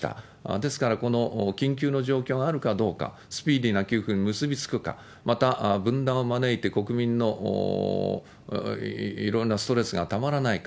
ですから、この緊急の状況があるかどうか、スピーディーな給付に結びつくか、また、分断を招いて国民のいろいろなストレスがたまらないか。